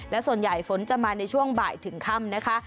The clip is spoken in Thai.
และส่วนใหญ่ฝนจะมาในช่วงบ่ายถึงค่ำนะคะ